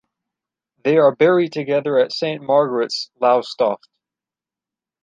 They are buried together at Saint Margaret's, Lowestoft.